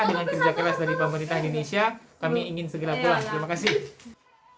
dengan kerja keras dari pemerintah indonesia kami ingin segera pulang terima kasih